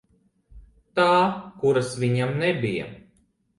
Tā, kuras viņam nebija?